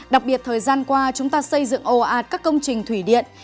đặc biệt thời gian qua chúng ta xây dựng ồ ạt các công trình thủy điện